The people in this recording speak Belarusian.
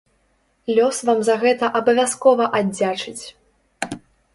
Лёс вам за гэта абавязкова аддзячыць!